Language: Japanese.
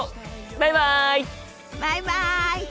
バイバイ！